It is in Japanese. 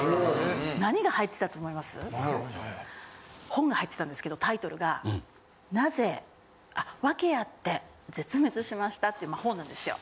・本が入ってたんですけどタイトルが何故『わけあって絶滅しました。』って本なんですよ。